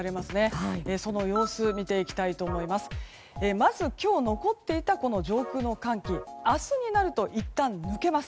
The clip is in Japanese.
まず今日残っていた上空の寒気は明日になるといったん抜けます。